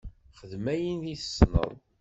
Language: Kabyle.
Xdem ayen i tessneḍ.